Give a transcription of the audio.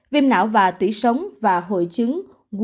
viêm não và tủy sóng và hội chứng